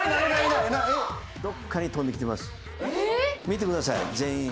見てください全員。